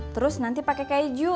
terus nanti pake keju